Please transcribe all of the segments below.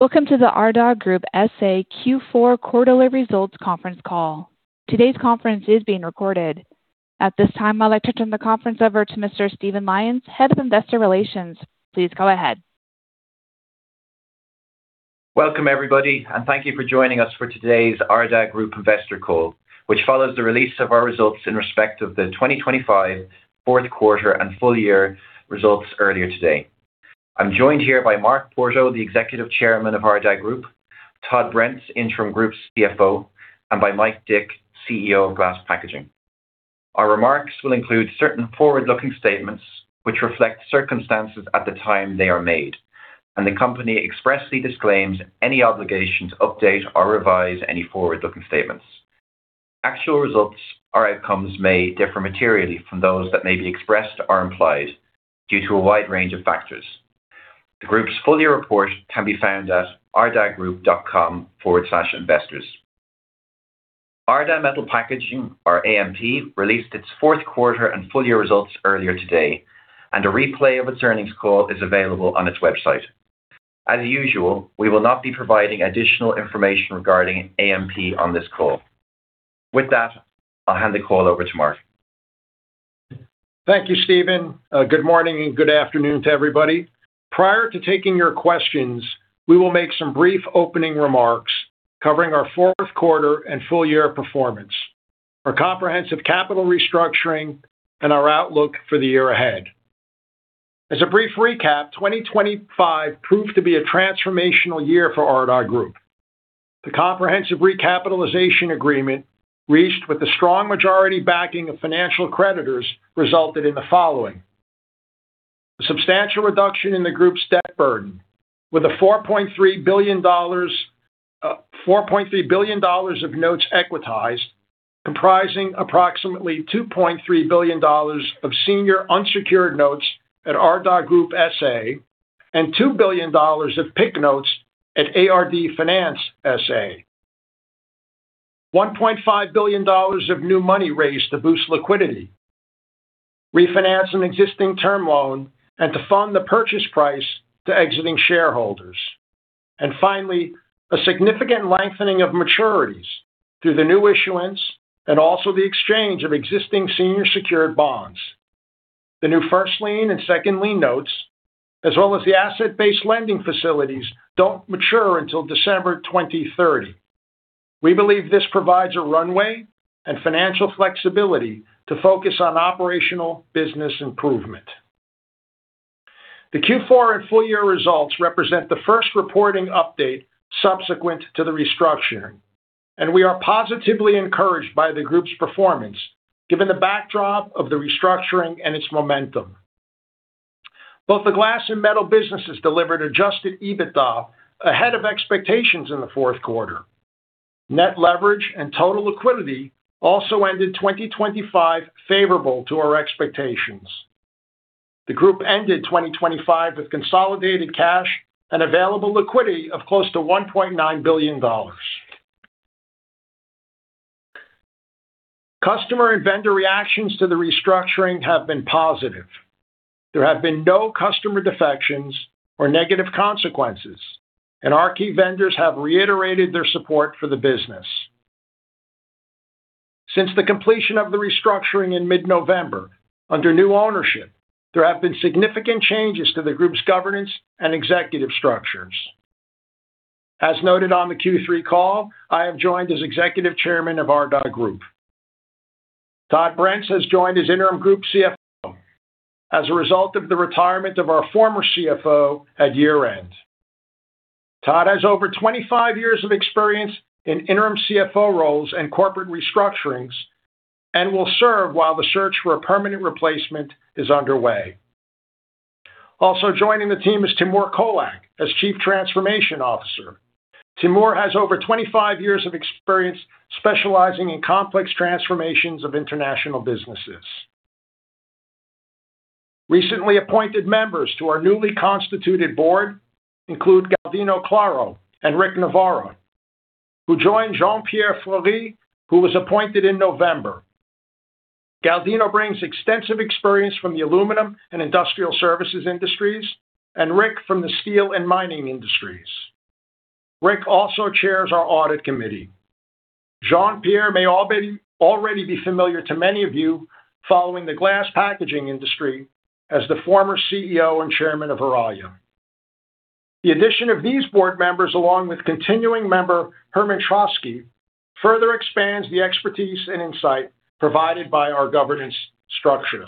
Welcome to the Ardagh Group S.A. Q4 quarterly results conference call. Today's conference is being recorded. At this time, I'd like to turn the conference over to Mr. Stephen Lyons, Head of Investor Relations. Please go ahead. Welcome, everybody, and thank you for joining us for today's Ardagh Group investor call, which follows the release of our results in respect of the 2025 fourth quarter and full year results earlier today. I'm joined here by Mark Porto, the Executive Chairman of Ardagh Group, Todd Brents, Interim Group CFO, and by Mike D., CEO of glass packaging. Our remarks will include certain forward-looking statements which reflect circumstances at the time they are made, and the company expressly disclaims any obligation to update or revise any forward-looking statements. Actual results or outcomes may differ materially from those that may be expressed or implied due to a wide range of factors. The group's full year report can be found at ardaghgroup.com/investors. Ardagh Metal Packaging, or AMP, released its fourth quarter and full year results earlier today, and a replay of its earnings call is available on its website. As usual, we will not be providing additional information regarding AMP on this call. With that, I'll hand the call over to Mark. Thank you, Stephen. Good morning and good afternoon to everybody. Prior to taking your questions, we will make some brief opening remarks covering our fourth quarter and full year performance, our comprehensive capital restructuring, and our outlook for the year ahead. As a brief recap, 2025 proved to be a transformational year for Ardagh Group. The comprehensive recapitalization agreement, reached with a strong majority backing of financial creditors, resulted in the following: Substantial reduction in the group's debt burden with $4.3 billion of notes equitized, comprising approximately $2.3 billion of senior unsecured notes at Ardagh Group S.A., and $2 billion of PIK notes at ARD Finance S.A. $1.5 billion of new money raised to boost liquidity, refinance an existing term loan, and to fund the purchase price to exiting shareholders. Finally, a significant lengthening of maturities through the new issuance and also the exchange of existing senior secured bonds. The new first lien and second lien notes, as well as the asset-based lending facilities, don't mature until December 2030. We believe this provides a runway and financial flexibility to focus on operational business improvement. The Q4 and full year results represent the first reporting update subsequent to the restructuring, and we are positively encouraged by the group's performance, given the backdrop of the restructuring and its momentum. Both the glass and metal businesses delivered adjusted EBITDA ahead of expectations in the fourth quarter. Net leverage and total liquidity also ended 2025 favorable to our expectations. The group ended 2025 with consolidated cash and available liquidity of close to $1.9 billion. Customer and vendor reactions to the restructuring have been positive. There have been no customer defections or negative consequences, and our key vendors have reiterated their support for the business. Since the completion of the restructuring in mid-November, under new ownership, there have been significant changes to the group's governance and executive structures. As noted on the Q3 call, I have joined as Executive Chairman of Ardagh Group. Todd Brents has joined as Interim Group CFO as a result of the retirement of our former CFO at year-end. Todd has over 25 years of experience in interim CFO roles and corporate restructurings and will serve while the search for a permanent replacement is underway. Also joining the team is Timur Colak as Chief Transformation Officer. Timur has over 25 years of experience specializing in complex transformations of international businesses. Recently appointed members to our newly constituted board include Galdino Claro and Richard Navarre, who joined Jean-Pierre Floris, who was appointed in November. Galdino brings extensive experience from the aluminum and industrial services industries. Rick from the steel and mining industries. Rick also chairs our audit committee. Jean-Pierre may already be familiar to many of you following the glass packaging industry as the former CEO and chairman of Verallia. The addition of these board members, along with continuing member Herman Troskie, further expands the expertise and insight provided by our governance structure.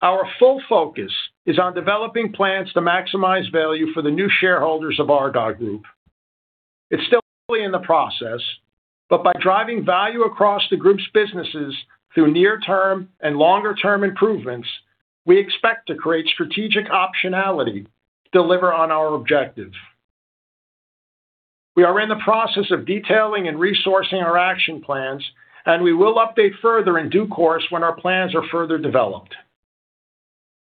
Our full focus is on developing plans to maximize value for the new shareholders of Ardagh Group. It's still early in the process, by driving value across the group's businesses through near-term and longer-term improvements, we expect to create strategic optionality to deliver on our objective. We are in the process of detailing and resourcing our action plans. We will update further in due course when our plans are further developed.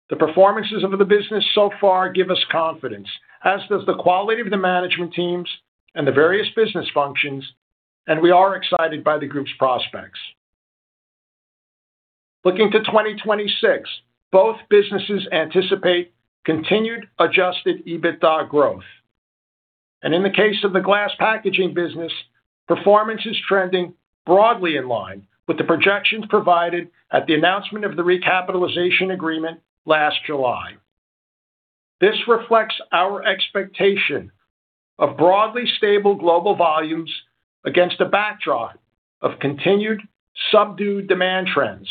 The performances of the business so far give us confidence, as does the quality of the management teams and the various business functions. We are excited by the group's prospects. Looking to 2026, both businesses anticipate continued adjusted EBITDA growth. In the case of the glass packaging business, performance is trending broadly in line with the projections provided at the announcement of the recapitalization agreement last July. This reflects our expectation of broadly stable global volumes against a backdrop of continued subdued demand trends,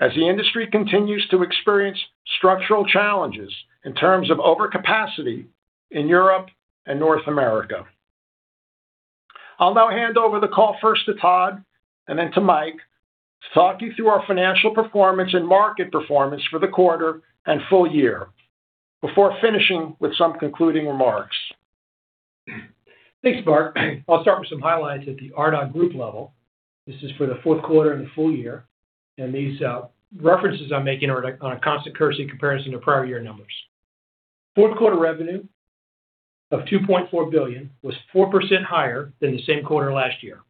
as the industry continues to experience structural challenges in terms of overcapacity in Europe and North America. I'll now hand over the call first to Todd and then to Mike to talk you through our financial performance and market performance for the quarter and full year, before finishing with some concluding remarks. Thanks, Mark. I'll start with some highlights at the Ardagh Group level. This is for the fourth quarter and the full year, and these references I'm making are on a constant currency comparison to prior year numbers. Fourth quarter revenue of $2.4 billion was 4% higher than the same quarter last year.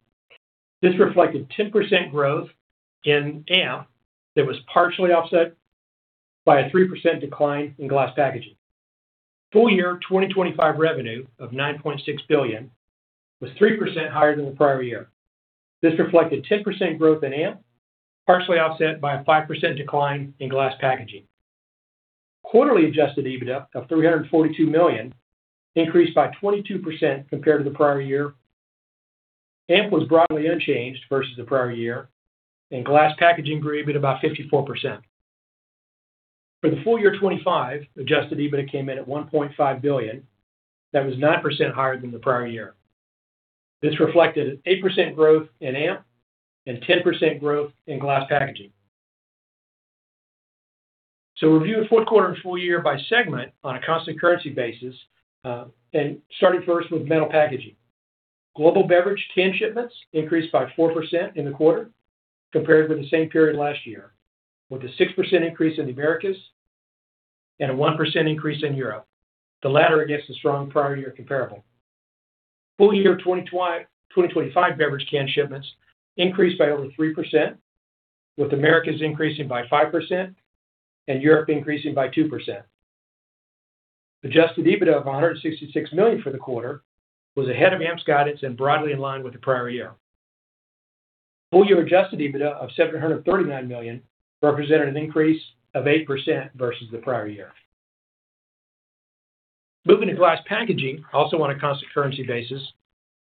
This reflected 10% growth in AMP that was partially offset by a 3% decline in glass packaging. Full year 2025 revenue of $9.6 billion was 3% higher than the prior year. This reflected 10% growth in AMP, partially offset by a 5% decline in glass packaging. Quarterly adjusted EBITDA of $342 million increased by 22% compared to the prior year. AMP was broadly unchanged versus the prior year, and glass packaging grew at about 54%. For the full year 2025, adjusted EBITDA came in at $1.5 billion. That was 9% higher than the prior year. This reflected 8% growth in AMP and 10% growth in glass packaging. Review of fourth quarter and full year by segment on a constant currency basis, and starting first with metal packaging. Global beverage can shipments increased by 4% in the quarter compared with the same period last year, with a 6% increase in the Americas and a 1% increase in Europe, the latter against a strong prior year comparable. Full year 2025 beverage can shipments increased by over 3%, with Americas increasing by 5% and Europe increasing by 2%. Adjusted EBITDA of $166 million for the quarter was ahead of AMP's guidance and broadly in line with the prior year. Full year adjusted EBITDA of $739 million represented an increase of 8% versus the prior year. Moving to glass packaging, also on a constant currency basis,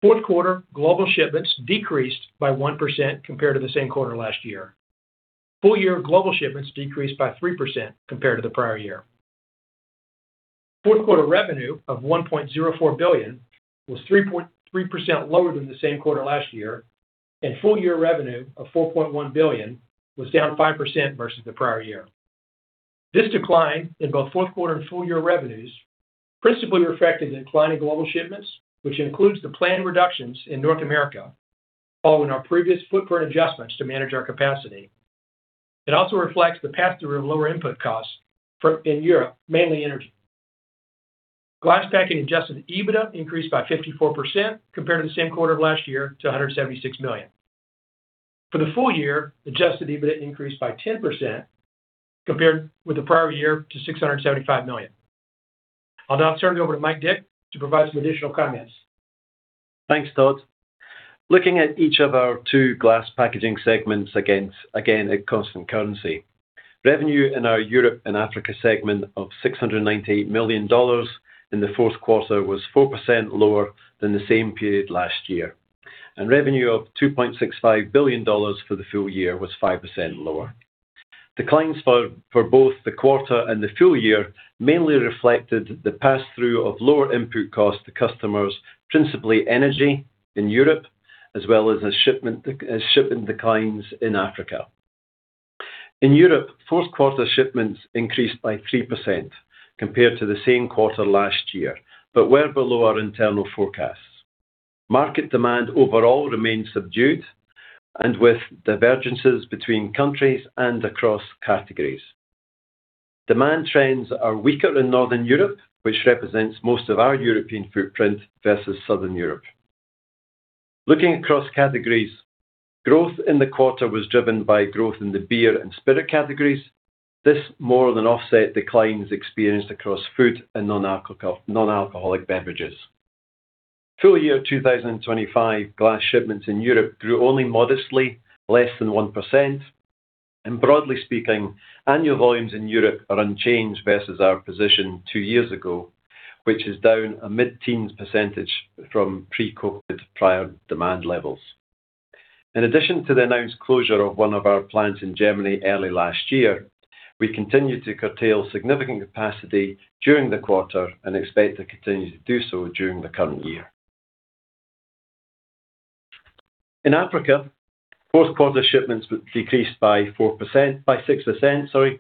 fourth quarter global shipments decreased by 1% compared to the same quarter last year. Full year global shipments decreased by 3% compared to the prior year. Fourth quarter revenue of $1.04 billion was 3.3% lower than the same quarter last year. Full year revenue of $4.1 billion was down 5% versus the prior year. This decline in both fourth quarter and full year revenues principally reflected the decline in global shipments, which includes the planned reductions in North America, following our previous footprint adjustments to manage our capacity. It also reflects the pass-through of lower input costs in Europe, mainly energy. Glass packaging adjusted EBITDA increased by 54% compared to the same quarter of last year to $176 million. For the full year, adjusted EBITDA increased by 10% compared with the prior year to $675 million. I'll now turn it over to Mike to provide some additional comments. Thanks, Todd. Looking at each of our two glass packaging segments against, again, a constant currency. Revenue in our Europe and Africa segment of $698 million in the fourth quarter was 4% lower than the same period last year, and revenue of $2.65 billion for the full year was 5% lower. Declines for both the quarter and the full year mainly reflected the pass-through of lower input costs to customers, principally energy in Europe, as well as shipment declines in Africa. In Europe, fourth quarter shipments increased by 3% compared to the same quarter last year, but were below our internal forecasts. Market demand overall remains subdued and with divergences between countries and across categories. Demand trends are weaker in Northern Europe, which represents most of our European footprint, versus Southern Europe. Looking across categories, growth in the quarter was driven by growth in the beer and spirit categories. This more than offset declines experienced across food and non-alcoholic beverages. Full year 2025 glass shipments in Europe grew only modestly, less than 1%, and broadly speaking, annual volumes in Europe are unchanged versus our position two years ago, which is down a mid-teens percentage from pre-COVID prior demand levels. In addition to the announced closure of one of our plants in Germany early last year, we continued to curtail significant capacity during the quarter and expect to continue to do so during the current year. In Africa, fourth quarter shipments decreased by 6%, sorry,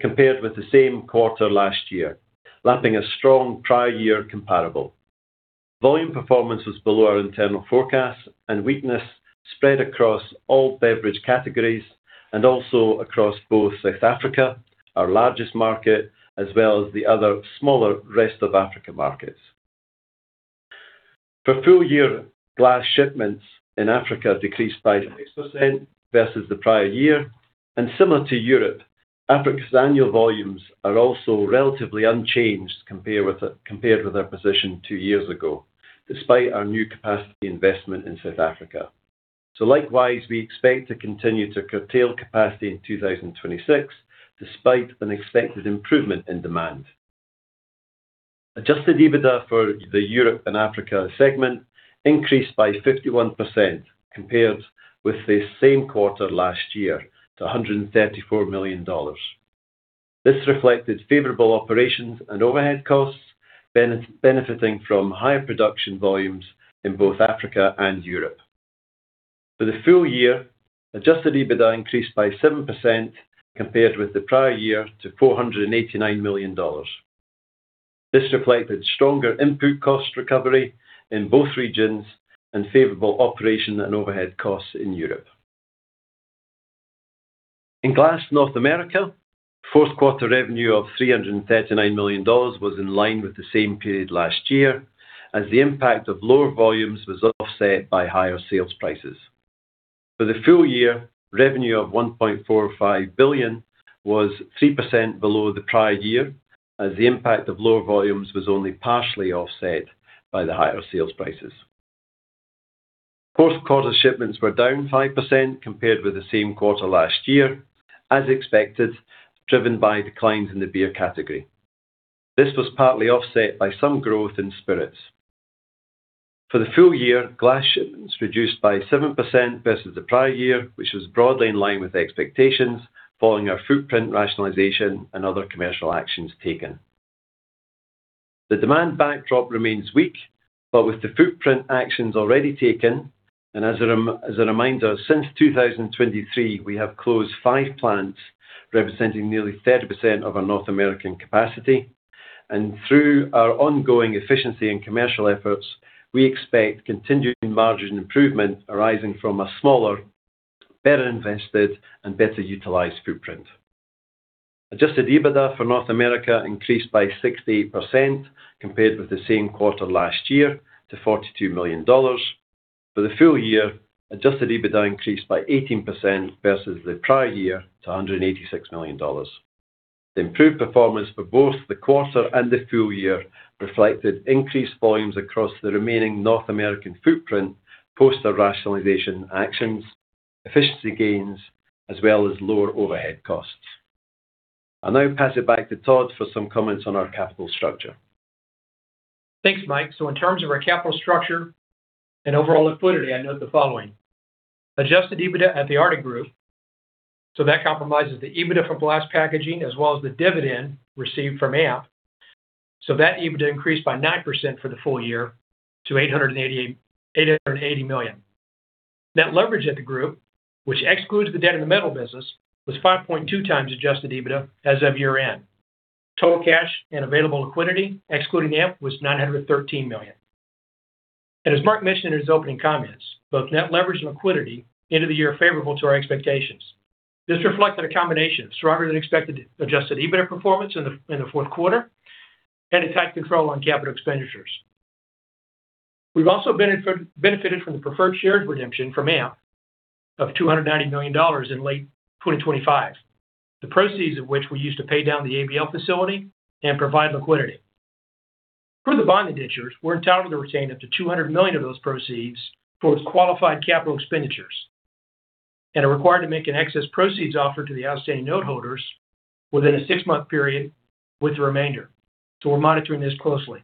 compared with the same quarter last year, lapping a strong prior year comparable. Volume performance was below our internal forecasts. Weakness spread across all beverage categories and also across both South Africa, our largest market, as well as the other smaller rest of Africa markets. For full year, glass shipments in Africa decreased by 6% versus the prior year. Similar to Europe, Africa's annual volumes are also relatively unchanged, compared with their position two years ago, despite our new capacity investment in South Africa. Likewise, we expect to continue to curtail capacity in 2026, despite an expected improvement in demand. Adjusted EBITDA for the Europe and Africa segment increased by 51% compared with the same quarter last year, to $134 million. This reflected favorable operations and overhead costs, benefiting from higher production volumes in both Africa and Europe. For the full year, adjusted EBITDA increased by 7% compared with the prior year to $489 million. This reflected stronger input cost recovery in both regions and favorable operation and overhead costs in Europe. In Glass North America, fourth quarter revenue of $339 million was in line with the same period last year, as the impact of lower volumes was offset by higher sales prices. For the full year, revenue of $1.45 billion was 3% below the prior year, as the impact of lower volumes was only partially offset by the higher sales prices. Fourth quarter shipments were down 5% compared with the same quarter last year, as expected, driven by declines in the beer category. This was partly offset by some growth in spirits. For the full year, glass shipments reduced by 7% versus the prior year, which was broadly in line with expectations, following our footprint rationalization and other commercial actions taken. The demand backdrop remains weak, but with the footprint actions already taken, and as a reminder, since 2023, we have closed five plants, representing nearly 30% of our North American capacity. Through our ongoing efficiency and commercial efforts, we expect continued margin improvement arising from a smaller, better invested, and better utilized footprint. Adjusted EBITDA for North America increased by 68% compared with the same quarter last year to $42 million. For the full year, adjusted EBITDA increased by 18% versus the prior year to $186 million. The improved performance for both the quarter and the full year reflected increased volumes across the remaining North American footprint, post our rationalization actions, efficiency gains, as well as lower overhead costs. I'll now pass it back to Todd for some comments on our capital structure. Thanks, Mike. In terms of our capital structure and overall liquidity, I note the following: adjusted EBITDA at the Ardagh Group, that comprises the EBITDA for glass packaging, as well as the dividend received from AMP. That EBITDA increased by 9% for the full year to $880 million. Net leverage at the group, which excludes the debt in the metal business, was 5.2 times adjusted EBITDA as of year-end. Total cash and available liquidity, excluding AMP, was $913 million. As Mark mentioned in his opening comments, both net leverage and liquidity ended the year favorable to our expectations. This reflected a combination of stronger-than-expected adjusted EBITDA performance in the fourth quarter and a tight control on capital expenditures. We've also benefited from the preferred shares redemption from AMP of $290 million in late 2025. The proceeds of which we used to pay down the ABL facility and provide liquidity. Per the bond indentures, we're entitled to retain up to $200 million of those proceeds for qualified capital expenditures, and are required to make an excess proceeds offer to the outstanding noteholders within a six-month period with the remainder. We're monitoring this closely.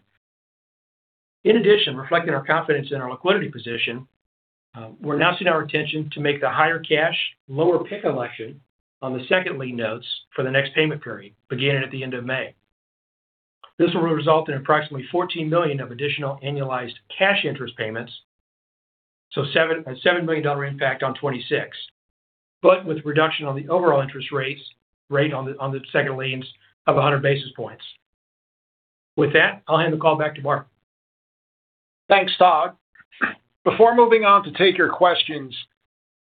In addition, reflecting our confidence in our liquidity position, we're announcing our intention to make the higher cash, lower PIK election on the second lien notes for the next payment period, beginning at the end of May. This will result in approximately $14 million of additional annualized cash interest payments, so a $7 million impact on 2026, but with reduction on the overall interest rates, on the second liens of 100 basis points. With that, I'll hand the call back to Mark. Thanks, Todd. Before moving on to take your questions,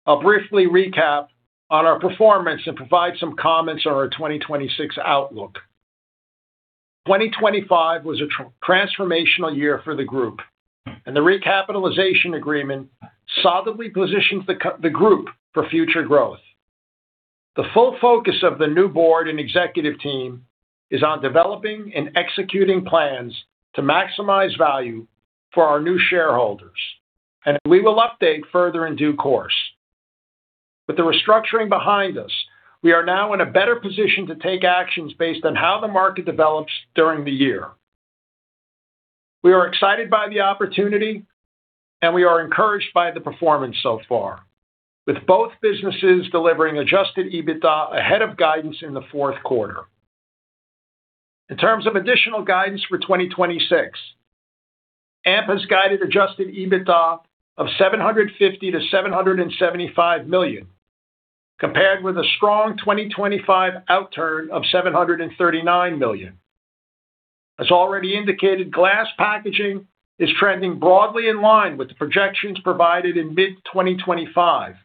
I'll briefly recap on our performance and provide some comments on our 2026 outlook. 2025 was a transformational year for the group, and the recapitalization agreement solidly positions the group for future growth. The full focus of the new board and executive team is on developing and executing plans to maximize value for our new shareholders, and we will update further in due course. With the restructuring behind us, we are now in a better position to take actions based on how the market develops during the year. We are excited by the opportunity, and we are encouraged by the performance so far, with both businesses delivering adjusted EBITDA ahead of guidance in the fourth quarter. In terms of additional guidance for 2026, AMP has guided adjusted EBITDA of $750 million-$775 million, compared with a strong 2025 outturn of $739 million. As already indicated, glass packaging is trending broadly in line with the projections provided in mid-2025.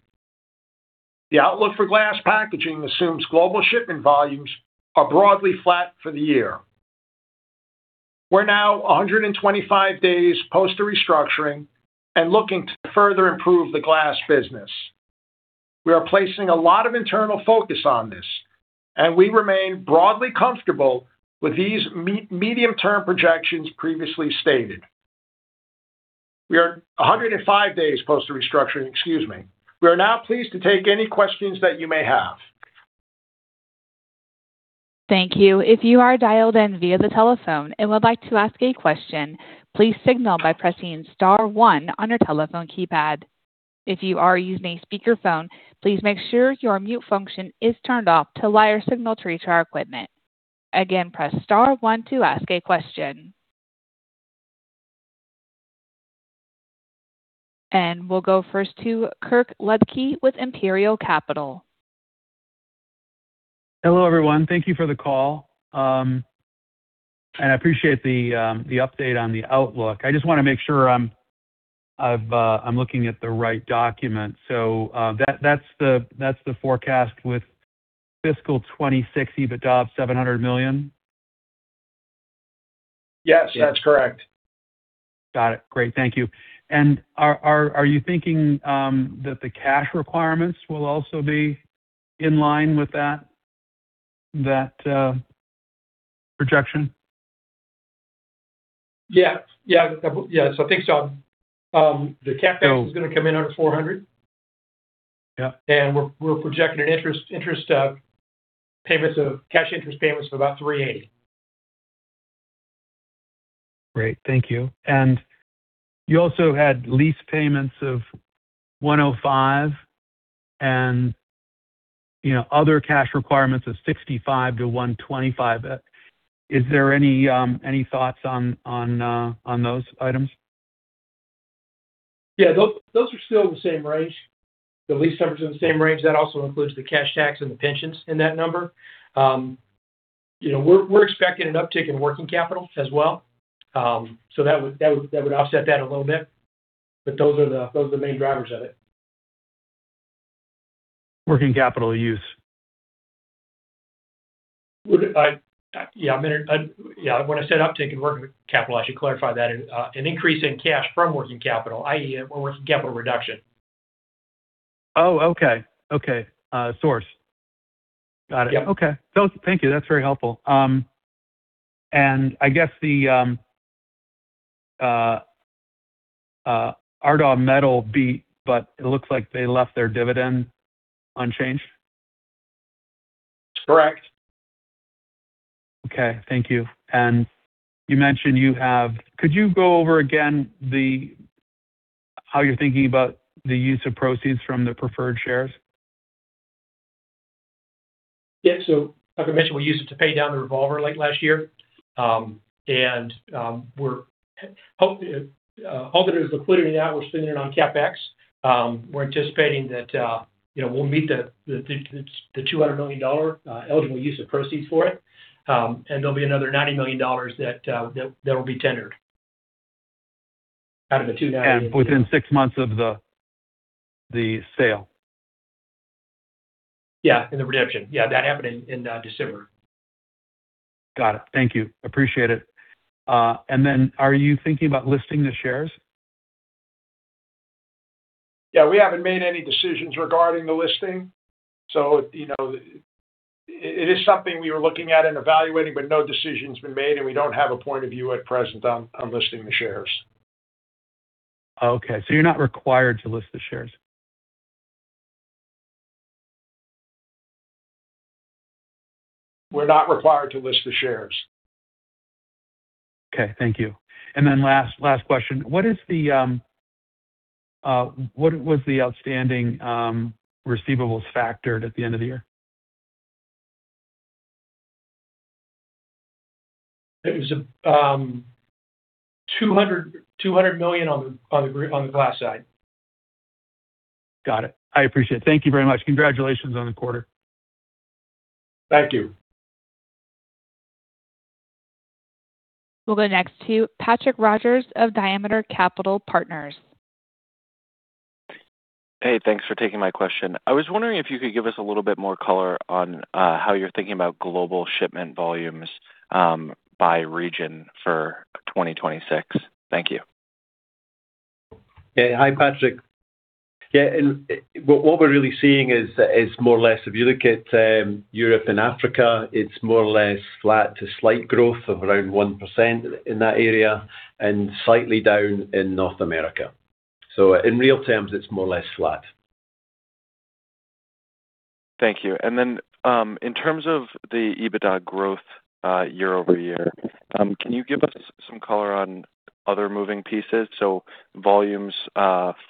The outlook for glass packaging assumes global shipment volumes are broadly flat for the year. We're now 125 days post the restructuring and looking to further improve the glass business. We are placing a lot of internal focus on this, and we remain broadly comfortable with these medium-term projections previously stated. We are 105 days post the restructuring. Excuse me. We are now pleased to take any questions that you may have. Thank you. If you are dialed in via the telephone and would like to ask a question, please signal by pressing star one on your telephone keypad. If you are using a speakerphone, please make sure your mute function is turned off to allow your signal to reach our equipment. Again, press star one to ask a question. We'll go first to Kirk Ludtke with Imperial Capital. Hello, everyone. Thank you for the call. I appreciate the update on the outlook. I just want to make sure I'm looking at the right document. That's the forecast with fiscal 2026 EBITDA of $700 million? Yes, that's correct. Got it. Great. Thank you. Are you thinking that the cash requirements will also be in line with that projection? Yeah, I think so. The CapEx is going to come in under $400. We're projecting cash interest payments of about $380 million. Great. Thank you. You also had lease payments of $105 and, you know, other cash requirements of $65-$125. Is there any thoughts on those items? Yeah, those are still in the same range. The lease numbers are in the same range. That also includes the cash tax and the pensions in that number. You know, we're expecting an uptick in working capital as well. That would offset that a little bit, but those are the main drivers of it. Working capital use. Yeah, I'm gonna, yeah, when I said uptick in working capital, I should clarify that, an increase in cash from working capital, i.e., a working capital reduction. Okay. Got it. Yeah. Okay. Thank you. That's very helpful. I guess the Ardagh Metal beat, but it looks like they left their dividend unchanged. Correct. Okay. Thank you. You mentioned, could you go over again, how you're thinking about the use of proceeds from the preferred shares? Yeah. Like I mentioned, we used it to pay down the revolver late last year. We're ultimately liquidating that, we're spending it on CapEx. We're anticipating that, you know, we'll meet the $200 million eligible use of proceeds for it. There'll be another $90 million that will be tendered out of the. Within six months of the sale. Yeah, in the redemption. Yeah, that happened in December. Got it. Thank you. Appreciate it. Are you thinking about listing the shares? Yeah, we haven't made any decisions regarding the listing. You know, it is something we were looking at and evaluating, but no decision's been made, and we don't have a point of view at present on listing the shares. Okay. you're not required to list the shares? We're not required to list the shares. Okay. Thank you. Last question, what was the outstanding receivables factored at the end of the year? It was, $200 million on the glass side. Got it. I appreciate it. Thank you very much. Congratulations on the quarter. Thank you. We'll go next to Patrick Rogers of Diameter Capital Partners. Hey, thanks for taking my question. I was wondering if you could give us a little bit more color on how you're thinking about global shipment volumes, by region for 2026. Thank you. Yeah. Hi, Patrick. Yeah, what we're really seeing is more or less, if you look at Europe and Africa, it's more or less flat to slight growth of around 1% in that area and slightly down in North America. In real terms, it's more or less flat. Thank you. In terms of the EBITDA growth, year-over-year, can you give us some color on other moving pieces, so volumes,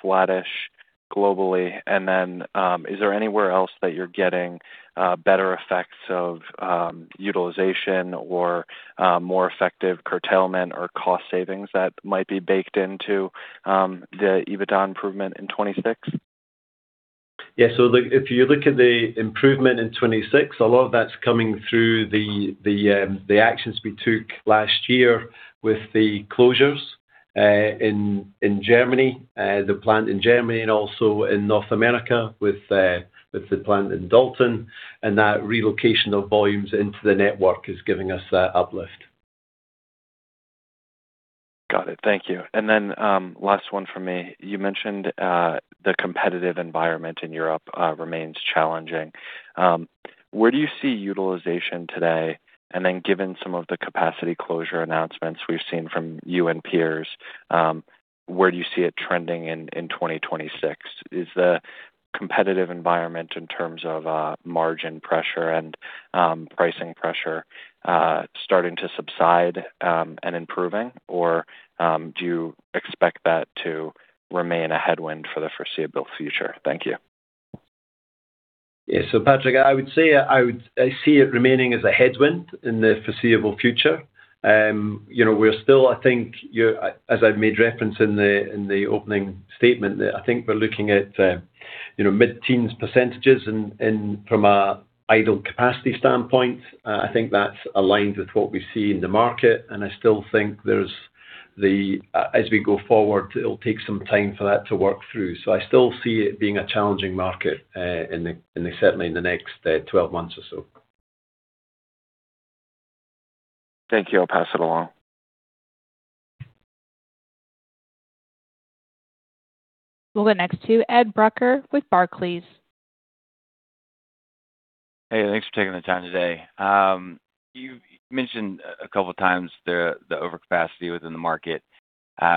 flattish globally? Is there anywhere else that you're getting better effects of utilization or more effective curtailment or cost savings that might be baked into the EBITDA improvement in 2026? Yeah. Look, if you look at the improvement in 2026, a lot of that's coming through the actions we took last year with the closures. In Germany, the plant in Germany and also in North America with the plant in Dolton. That relocation of volumes into the network is giving us that uplift. Got it. Thank you. Last one for me. You mentioned the competitive environment in Europe remains challenging. Where do you see utilization today? Given some of the capacity closure announcements we've seen from you and peers, where do you see it trending in 2026? Is the competitive environment in terms of margin pressure and pricing pressure starting to subside and improving? Do you expect that to remain a headwind for the foreseeable future? Thank you. Yes. Patrick, I see it remaining as a headwind in the foreseeable future. you know, we're still... I think you're, as I've made reference in the opening statement, that I think we're looking at, you know, mid-teens% in from a idle capacity standpoint. I think that's aligned with what we see in the market, and I still think there's the, as we go forward, it'll take some time for that to work through. I still see it being a challenging market, in the, certainly in the next 12 months or so. Thank you. I'll pass it along. We'll go next to Ed Brucker with Barclays. Hey, thanks for taking the time today. You've mentioned a couple of times the overcapacity within the market,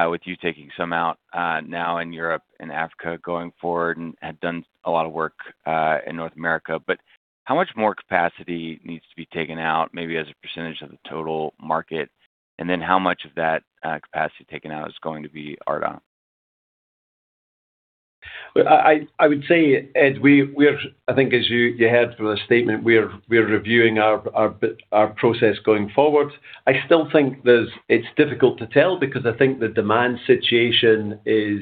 with you taking some out now in Europe and Africa going forward, and had done a lot of work in North America. How much more capacity needs to be taken out, maybe as a percentage of the total market? How much of that capacity taken out is going to be Ardagh? Well, I would say, Ed, we are I think as you heard from the statement, we are reviewing our process going forward. I still think there's. It's difficult to tell because I think the demand situation is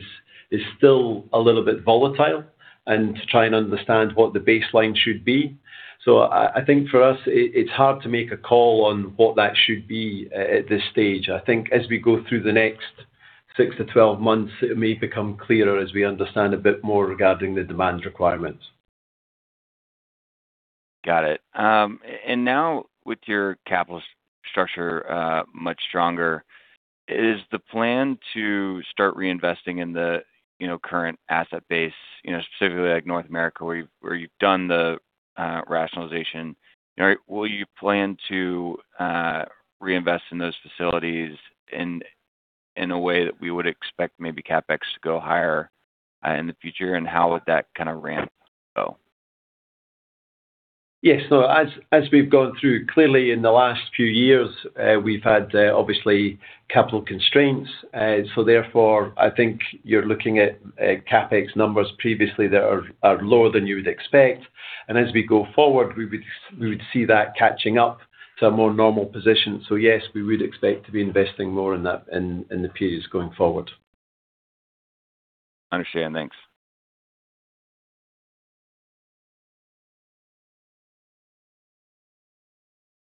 still a little bit volatile, and to try and understand what the baseline should be. I think for us, it's hard to make a call on what that should be at this stage. I think as we go through the next 6-12 months, it may become clearer as we understand a bit more regarding the demand requirements. Got it. Now, with your capital structure, much stronger, is the plan to start reinvesting in the, you know, current asset base, you know, specifically like North America, where you've done the rationalization? All right, will you plan to reinvest in those facilities in a way that we would expect maybe CapEx to go higher in the future? How would that kind of ramp go? Yes. As, as we've gone through, clearly in the last few years, we've had, obviously capital constraints. Therefore, I think you're looking at CapEx numbers previously that are lower than you would expect. As we go forward, we would see that catching up to a more normal position. Yes, we would expect to be investing more in that in the periods going forward. Understand. Thanks.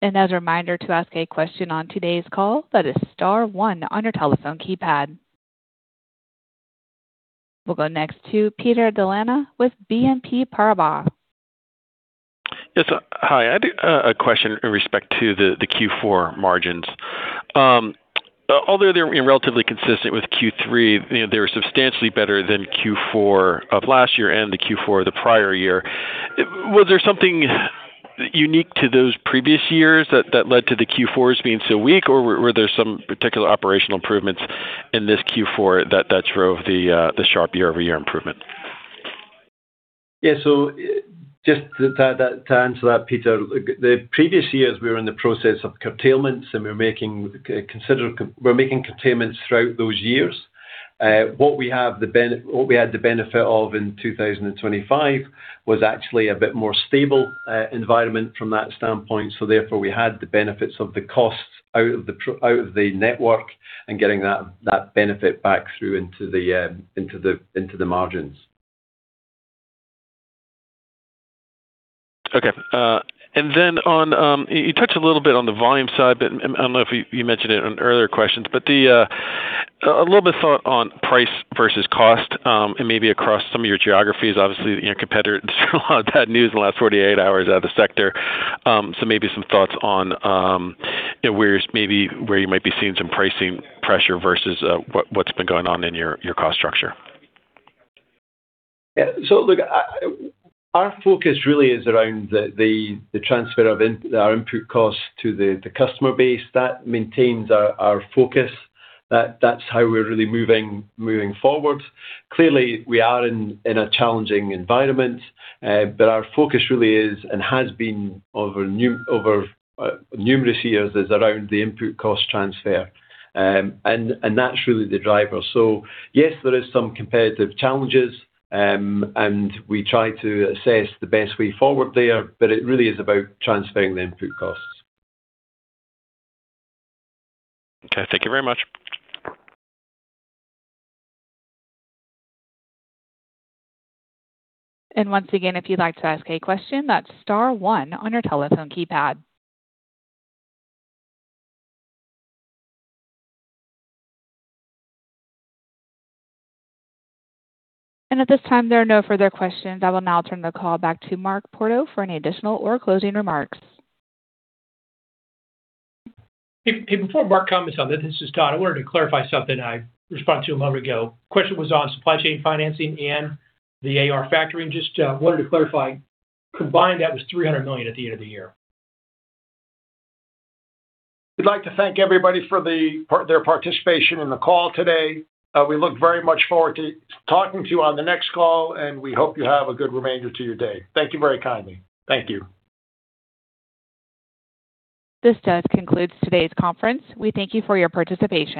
As a reminder to ask a question on today's call, that is star one on your telephone keypad. We'll go next to Peter D'Elia with BNP Paribas. Yes. Hi. I do a question in respect to the Q4 margins. Although they're relatively consistent with Q3, you know, they were substantially better than Q4 of last year and the Q4 of the prior year. Was there something unique to those previous years that led to the Q4s being so weak, or were there some particular operational improvements in this Q4 that drove the sharp year-over-year improvement? Just to answer that, Peter, the previous years, we were in the process of curtailments, we're making curtailments throughout those years. What we had the benefit of in 2025 was actually a bit more stable environment from that standpoint. Therefore, we had the benefits of the costs out of the network and getting that benefit back through into the margins. Okay. Then on, you touched a little bit on the volume side, but I don't know if you mentioned it in earlier questions, but a little bit thought on price versus cost, and maybe across some of your geographies. Obviously, your competitors, a lot of bad news in the last 48 hours out of the sector. Maybe some thoughts on, where's maybe where you might be seeing some pricing pressure versus, what's been going on in your cost structure. Look, our focus really is around the transfer of our input costs to the customer base. That maintains our focus. That's how we're really moving forward. Clearly, we are in a challenging environment, but our focus really is, and has been over numerous years, is around the input cost transfer. That's really the driver. Yes, there is some competitive challenges, and we try to assess the best way forward there, but it really is about transferring the input costs. Okay. Thank you very much. Once again, if you'd like to ask a question, that's star one on your telephone keypad. At this time, there are no further questions. I will now turn the call back to Mark Porto for any additional or closing remarks. Hey, hey, before Mark comments on this is Todd. I wanted to clarify something I responded to a moment ago. Question was on supply chain financing and the AR factoring. Just wanted to clarify. Combined, that was $300 million at the end of the year. We'd like to thank everybody for their participation in the call today. We look very much forward to talking to you on the next call, and we hope you have a good remainder to your day. Thank you very kindly. Thank you. This does conclude today's conference. We thank you for your participation.